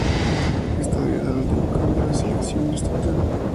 Ésto debido al ultimo cambio en las Elección Estatal.